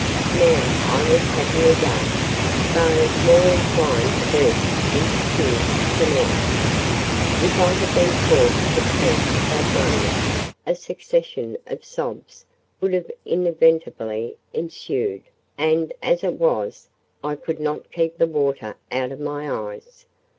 Now, I was happy again—though more inclined to burst into tears than ever. If I had been forced to speak at that moment, a succession of sobs would have inevitably ensued; and as it was, I could not keep the water out of my eyes.